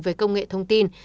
về công nghệ thông tin